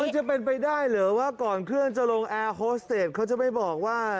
มันจะเป็นไปได้เหรอว่าก่อนเครื่องจะลงแอร์โฮสเตจเขาจะไม่บอกว่า